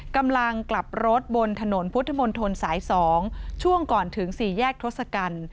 กำลังกลับรถบนถนนพุทธมนตรสาย๒ช่วงก่อนถึง๔แยกทศกัณฐ์